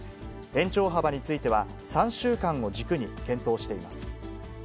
延長幅については３週間を軸に検討しています。